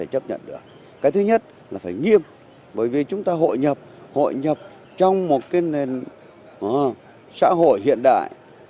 cái thứ nhất là phải nghiêm bởi vì chúng ta hội nhập hội nhập trong một cái nền xã hội hiện đại